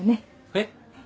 えっ！